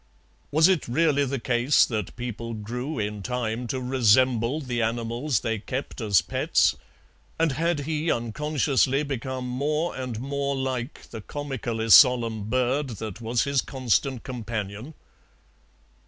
Was it really the case that people grew in time to resemble the animals they kept as pets, and had he unconsciously become more and more like the comically solemn bird that was his constant companion?